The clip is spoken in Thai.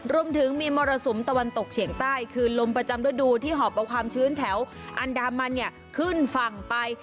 รวมถึงมีมรสุมตะวันตกเฉียงใต้คือลมประจำฤดูที่หอบเอาความชื้นแถวอันดามันเนี่ยขึ้นฝั่งไป